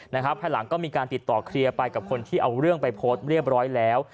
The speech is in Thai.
ภายหลังก็มีการติดต่อเคลียร์ไปกับคนที่เอาเรื่องไปโพสต์เรียบร้อยแล้ว